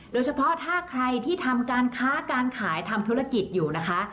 โดยเฉพาะถ้าใครที่ทำการค้าการขายทำธุรกิจอยู่นะคะ